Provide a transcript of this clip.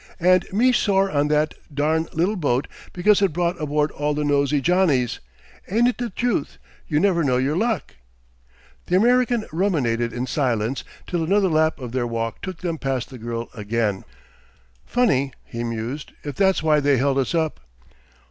"And me sore on that darn' li'l boat because it brought aboard all the nosey Johnnies! Ain't it the truth, you never know your luck?" The American ruminated in silence till another lap of their walk took them past the girl again. "Funny," he mused, "if that's why they held us up...."